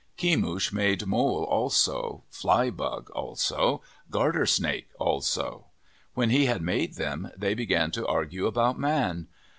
Kemush made mole also, flybug also, garter snake also. When he had made them, they began to argue about man.